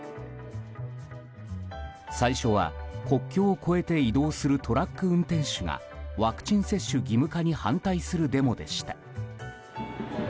最初は国境を越えて移動するトラック運転手がワクチン接種義務化に反対するデモでした。